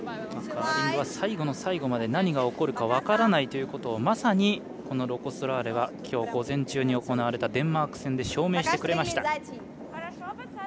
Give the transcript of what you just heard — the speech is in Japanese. カーリングは最後の最後まで何が起こるか分からないということをまさに、このロコ・ソラーレはきょう午前中に行われたデンマーク戦で証明してくれました。